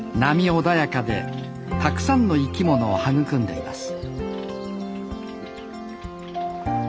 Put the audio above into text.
穏やかでたくさんの生き物を育んでいます